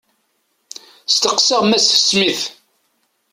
Steqseɣ Mass Smith.